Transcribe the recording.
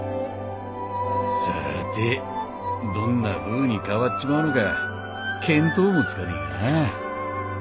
さぁてどんなふうに変わっちまうのか見当もつかねぇがなあ。